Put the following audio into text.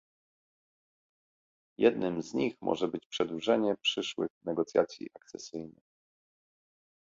Jednym z nich może być przedłużenie przyszłych negocjacji akcesyjnych